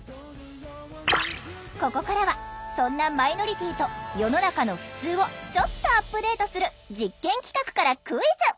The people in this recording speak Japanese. ここからはそんなマイノリティーと世の中のふつうをちょっとアップデートする実験企画からクイズ！